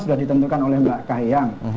sudah ditentukan oleh mbak kahiyang